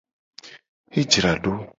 E jra do.